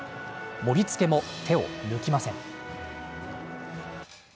盛りつけも手を抜きません。